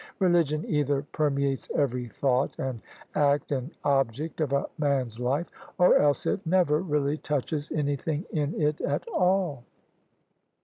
Religion either permeates every thought and act and object of a man's life, or else it never really touches anything in it at all.